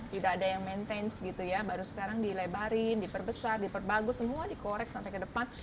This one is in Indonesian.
tidak ada yang maintenance gitu ya baru sekarang dilebarin diperbesar diperbagus semua dikorek sampai ke depan